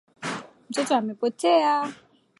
Mtoto amepotea